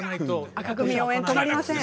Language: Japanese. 紅組応援が止まりません。